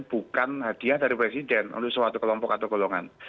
bukan hadiah dari presiden untuk suatu kelompok atau golongan